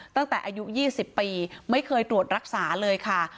ตั้งแต่อายุ๒๐ปีไม่เคยตรวจรักษาเลยค่ะ